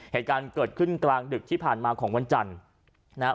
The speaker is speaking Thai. เหตุการณ์เกิดขึ้นกลางดึกที่ผ่านมาของวันจันทร์นะครับ